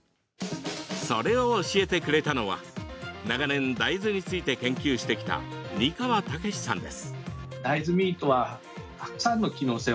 それを教えてくれたのは長年、大豆について研究してきた二川健さんです。